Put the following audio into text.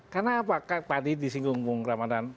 karena apa tadi di singgung singgung kramadhan